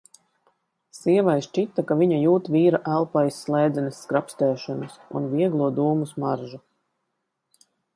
Sievai šķita, ka viņa jūt vīra elpu aiz slēdzenes skrapstēšanas un vieglo dūmu smaržu.